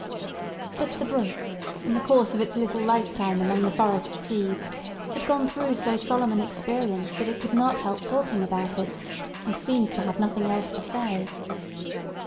But the brook, in the course of its little lifetime among the forest trees, had gone through so solemn an experience that it could not help talking about it, and seemed to have nothing else to say.